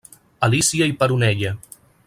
Alícia i Peronella.